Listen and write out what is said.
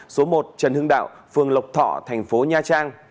số một trần hưng đạo phường lộc thọ thành phố nha trang